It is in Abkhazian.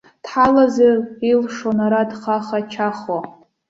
Дҳалазар илшон ара дхаха-чахо.